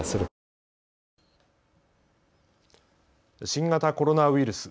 新型コロナウイルス。